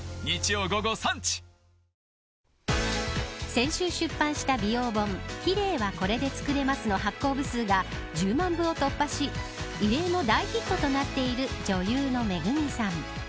先週出版した美容本キレイはこれでつくれますの発行部数が１０万部を突破し異例の大ヒットとなっている女優のＭＥＧＵＭＩさん。